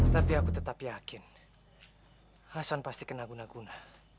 tapi aku tetap yakin hasan pasti kena guna guna